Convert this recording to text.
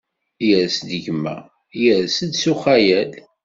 Yers-d gma, yers-d s uxayel.